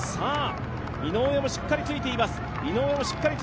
井上もしっかりついています。